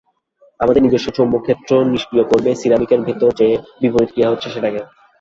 আমাদের নিজস্ব চৌম্বকক্ষেত্র নিষ্ক্রিয় করবে সিরামিকের ভেতরে যে - বিপরীত ক্রিয়া হচ্ছে সেটাকে।